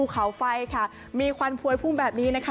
เขาไฟค่ะมีควันพวยพุ่งแบบนี้นะคะ